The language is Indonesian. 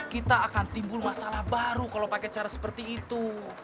kita akan timbul masalah baru kalau pakai cara seperti itu